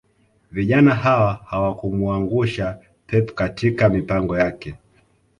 Vijana hawa hawakumuangusha pep katika mipango yake